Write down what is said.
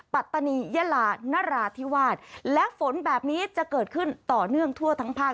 ปัตตานียะลานราธิวาสและฝนแบบนี้จะเกิดขึ้นต่อเนื่องทั่วทั้งภาค